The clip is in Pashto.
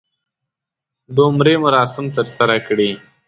د عمرې مراسم ترسره کړي.